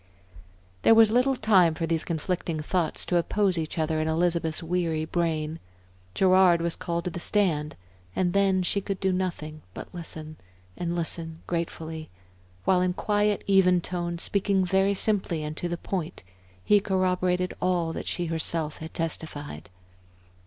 There was little time for these conflicting thoughts to oppose each other in Elizabeth's weary brain. Gerard was called to the stand, and then she could do nothing but listen and listen gratefully while in quiet, even tones, speaking very simply and to the point, he corroborated all that she herself had testified.